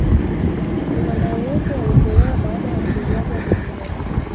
Kuna maelezo yaliyotolewa baada ya kuiaga dunia